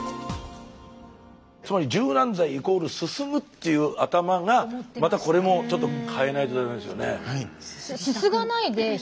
つまり柔軟剤イコールすすぐっていう頭がまたこれもちょっと変えないとダメですよね。